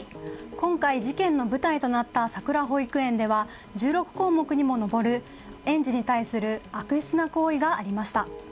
今回、事件の舞台となったさくら保育園では１６項目にも上る園児に対する悪質な行為がありました。